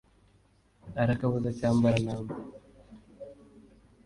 Arakabuza Cyambarantama